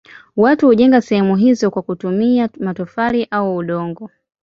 Watu hujenga sehemu hizo kwa kutumia matofali au udongo.